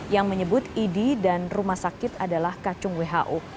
yang menyebut idi dan rumah sakit adalah kacung who